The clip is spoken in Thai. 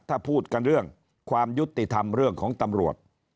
ถ้าพูดกันเรื่องความยุติธรรมเรื่องของตำรวจ